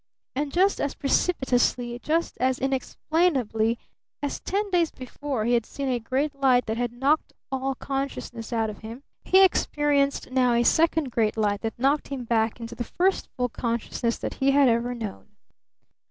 And just as precipitously, just as inexplainably, as ten days before he had seen a Great Light that had knocked all consciousness out of him, he experienced now a second Great Light that knocked him back into the first full consciousness that he had ever known!